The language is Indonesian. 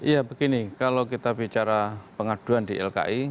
ya begini kalau kita bicara pengaduan di lki